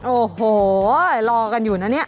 โอ้โหรอกันอยู่นะเนี่ย